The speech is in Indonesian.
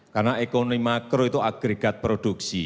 mengelola ekonomi makro itu berbeda dengan mengelola ekonomi makro